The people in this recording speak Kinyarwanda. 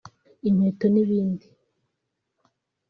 inkweto n’ibindi